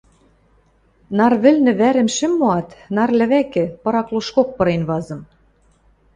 Нар вӹлнӹ вӓрӹм шӹм моат, нар лӹвӓкӹ, пырак лошкок пырен вазым.